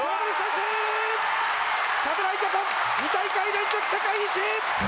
侍ジャパン２大会連続世界一！